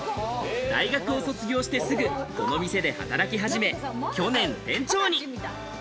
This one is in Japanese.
大学を卒業してすぐ、この店で働き始め、去年、店長に。